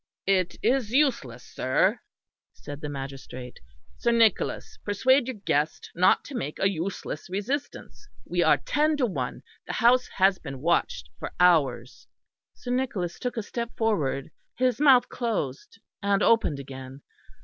"It is useless, sir," said the magistrate; "Sir Nicholas, persuade your guest not to make a useless resistance; we are ten to one; the house has been watched for hours." Sir Nicholas took a step forward, his mouth closed and opened again.